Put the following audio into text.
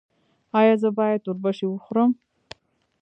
ایا زه باید اوربشې وخورم؟